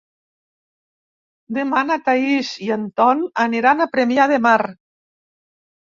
Demà na Thaís i en Ton aniran a Premià de Mar.